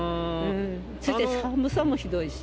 そして寒さもひどいし。